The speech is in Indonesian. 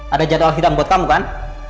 ada jadwal sidang buat kamu kan